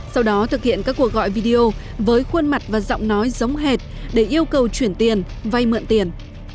sau đó thực hiện các cuộc gọi video với khuôn mặt và giọng nói giống hệt để yêu cầu chuyển tiền vay mượn tiền